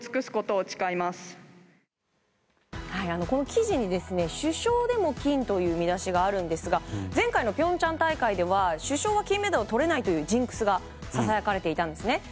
この記事に、主将でも金という見出しがあるんですが前回の平昌大会では主将は金メダルをとれないというジンクスがささやかれていたんですね。